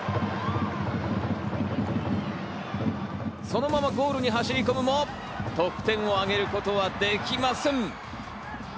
そのままゴールに走り込むも、得点を挙げることはできません。